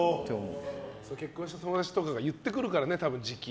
結婚した友達とかが言ってくるからね、じき。